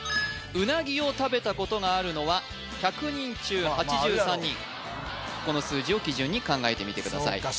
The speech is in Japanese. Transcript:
うなぎを食べたことがあるのは１００中８３人この数字を基準に考えてみてください